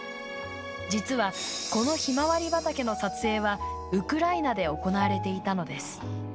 実は、このひまわり畑の撮影はウクライナで行われていたのです。